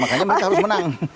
makanya mereka harus menang